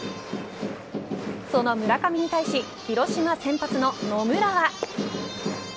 その村上に対し広島先発の野村は。